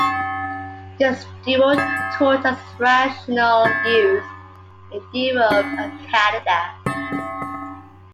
This duo toured as Rational Youth in Europe and Canada.